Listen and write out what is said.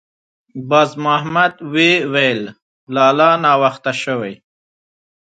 باز محمد ویې ویل: «لالا! ناوخته شوې.»